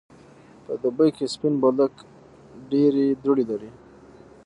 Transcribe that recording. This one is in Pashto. په دوبی کی سپین بولدک ډیری دوړی لری.